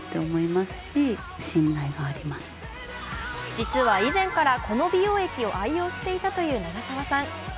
実は以前から、この美容液を愛用していたという長澤さん。